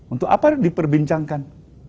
untuk apa yang diperbincangkan